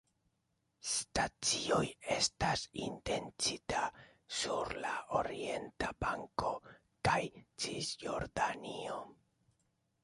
Stacioj estas intencita sur la Orienta Banko kaj Cisjordanio.